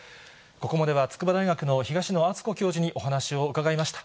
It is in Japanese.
ここまでは筑波大学の東野篤子教授にお話を伺いました。